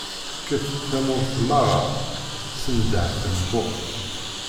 Kket-d tamurt meṛṛa, sendeht lbuq.